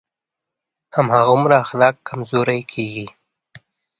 هماغومره اخلاق کمزوری کېږي.